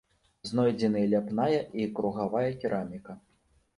Знойдзены ляпная і кругавая кераміка.